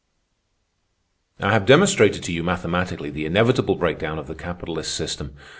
"I have demonstrated to you mathematically the inevitable breakdown of the capitalist system.